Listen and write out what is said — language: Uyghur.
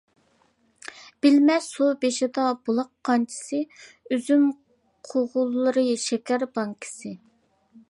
بىلمەس سۇ بېشىدا بۇلاق قانچىسى، ئۈزۈم، قوغۇنلىرى شېكەر بانكىسى.